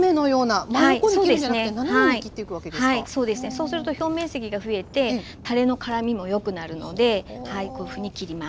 そうすると表面積が増えてたれのからみもよくなるのではいこういうふうに切ります。